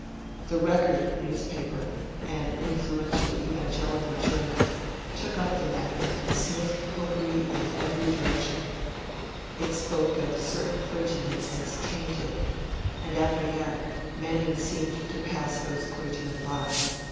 The "Record" newspaper an influential Evangelical journal took up the matter and sniffed Popery in every direction; it spoke of certain clergymen as 'tainted'; and after that, preferment seemed to pass those clergymen by.